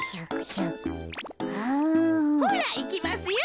ほらいきますよ。